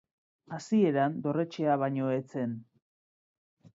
Hasieran dorretxea baino ez zen.